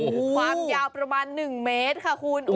ความยาวประมาณ๑เมตรค่ะคุณ